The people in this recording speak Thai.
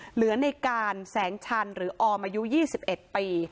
เหลือในการแสงชันหรือออมอายุ๒๑ปี